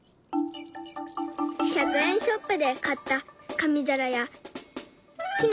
１００円ショップで買った紙皿や木の小物。